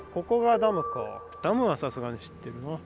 ダムはさすがに知ってるな。